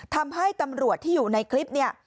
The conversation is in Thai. ทำให้ตำรวจที่อยู่ในคลิปเนี่ย